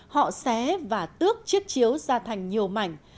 họ xé và tước chiếc chiếu ra thành nhiều mảnh